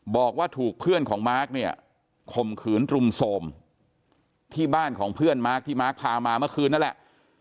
บอกว่าถูกเพื่อนของมาร์คเนี่ยข่มขืนรุมโทรมที่บ้านของเพื่อนมาร์คที่มาร์คพามาเมื่อคืนนั่นแหละ